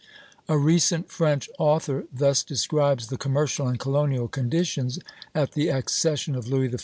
A recent French author thus describes the commercial and colonial conditions, at the accession of Louis XIV.